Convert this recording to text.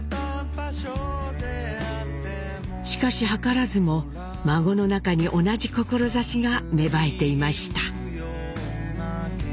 しかし図らずも孫の中に同じ志が芽生えていました。